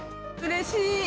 うれしい！